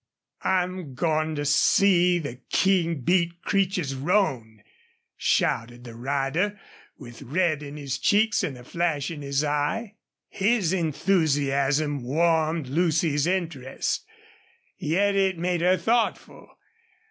"I'm going to see the King beat Creech's roan," shouted the rider, with red in his cheeks and a flash in his eye. His enthusiasm warmed Lucy's interest, yet it made her thoughtful.